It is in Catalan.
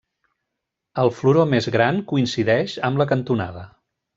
El floró més gran coincideix amb la cantonada.